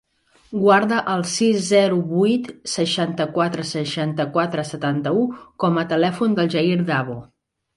Guarda el sis, zero, vuit, seixanta-quatre, seixanta-quatre, setanta-u com a telèfon del Jair Davo.